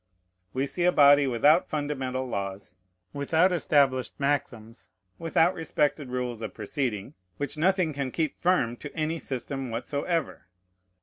We see a body without fundamental laws, without established maxims, without respected rules of proceeding, which nothing can keep firm to any system whatsoever.